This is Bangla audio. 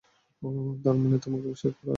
তার মানে ও তোমাকে বিশ্বাস করে, স্টোন।